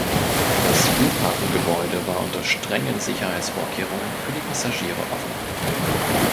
Das Flughafengebäude war unter strengen Sicherheitsvorkehrungen für die Passagiere offen.